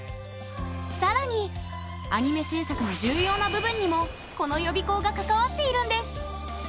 更にアニメ制作の重要な部分にもこの予備校が関わっているんです。